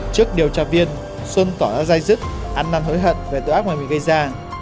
trước điều tra viên xuân tỏ ra dai dứt ăn năn hối hận về tội ác ngoài mình gây ra